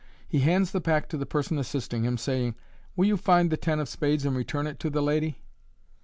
He hands the pack to the person assisting him, saying, * Will you find the ten of spades, and return it to the lady